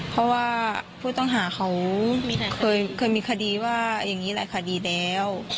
เพราะว่าผู้ต้องหาเขาเคยมีคดีว่าอย่างนี้แหละคดีแล้ว